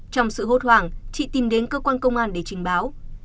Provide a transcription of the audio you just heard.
trong sự hốt hoảng chị tìm đến cơ quan công an để trình báo